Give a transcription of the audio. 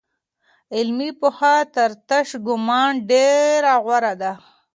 علمي پوهه تر تش ګومان ډېره غوره ده.